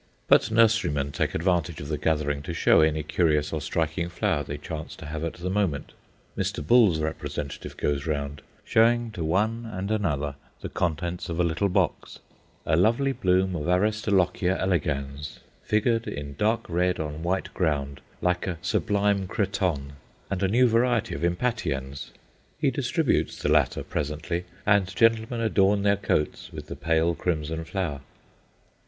But nurserymen take advantage of the gathering to show any curious or striking flower they chance to have at the moment. Mr. Bull's representative goes round, showing to one and another the contents of a little box a lovely bloom of Aristolochia elegans, figured in dark red on white ground like a sublime cretonne and a new variety of Impatiens; he distributes the latter presently, and gentlemen adorn their coats with the pale crimson flower.